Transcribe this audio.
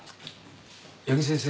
余木先生